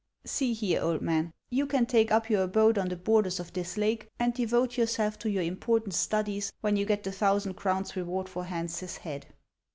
" See here, old man, you can take up your abode on the borders of this lake, and devote yourself to your impor tant studies, when you get the thousand crowns reward for Hans's head."